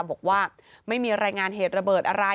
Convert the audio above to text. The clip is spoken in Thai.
บอกว่าไม่มีรายงานเหตุระเบิดอะไร